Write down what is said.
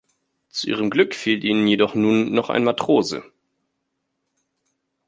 Zu ihrem Glück fehlt ihnen jedoch nun noch ein Matrose.